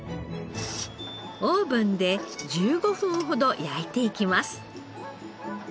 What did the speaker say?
オーブンで１５分ほど焼いていきます。